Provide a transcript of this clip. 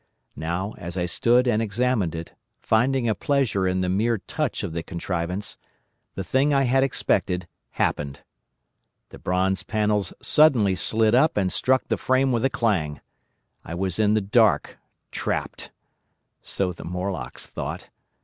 "Now as I stood and examined it, finding a pleasure in the mere touch of the contrivance, the thing I had expected happened. The bronze panels suddenly slid up and struck the frame with a clang. I was in the dark—trapped. So the Morlocks thought.